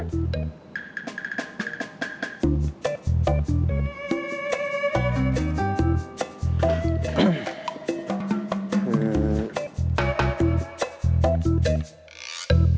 คือ